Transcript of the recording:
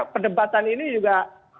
perdebatan ini juga